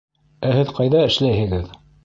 Ә һеҙ ҡайҙа эшләйһегеҙ?